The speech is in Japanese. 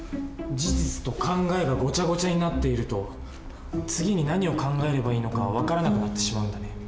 事実と考えがごちゃごちゃになっていると次に何を考えればいいのか分からなくなってしまうんだね。